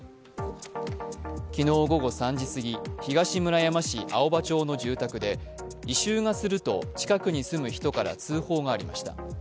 昨日午後３時すぎ東村山市青葉町の住宅で異臭がすると近くに住む人から通報がありました。